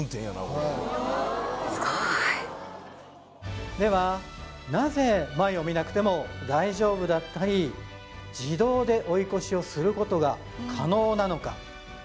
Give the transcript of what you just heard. これではなぜ前を見なくても大丈夫だったり自動で追い越しをすることが可能なのか